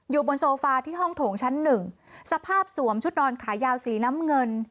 บนโซฟาที่ห้องโถงชั้นหนึ่งสภาพสวมชุดนอนขายาวสีน้ำเงิน